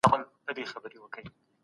که مثبت فکر وکړئ، بریالیتوب مو زیاتېږي.